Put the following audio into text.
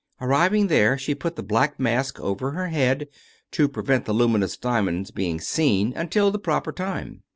Arriving there, she put the black mask over her head, to prevent the luminous diamonds being seen until the proper time.